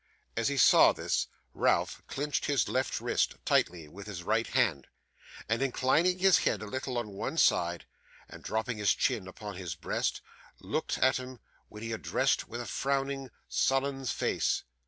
As he said this, Ralph clenched his left wrist tightly with his right hand, and inclining his head a little on one side and dropping his chin upon his breast, looked at him whom he addressed with a frowning, sullen face.